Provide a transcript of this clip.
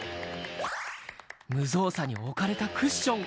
無造作に置かれたクッション。